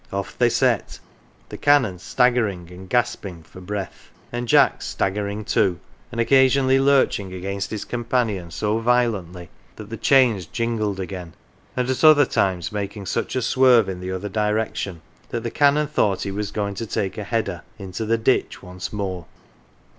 Off they set, the Canon staggering and gasping 16 THORNLEIGH for breath, and Jack staggering too, and occasionally lurching against his companion so violently that the chains jingled again ; and at other times making such a swerve in the other direction that the Canon thought he was going to take " a header " into the ditch once more.